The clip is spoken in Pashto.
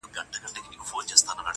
که په ژړا کي مصلحت وو، خندا څه ډول وه.